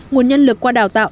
nguồn nhân lực qua đào tạo